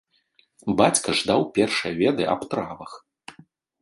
Бацька ж даў першыя веды аб травах.